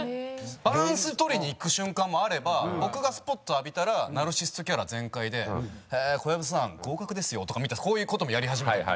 バランス取りにいく瞬間もあれば僕がスポット浴びたらナルシストキャラ全開でへえー小籔さん合格ですよとかみたくこういう事もやり始めたりとか。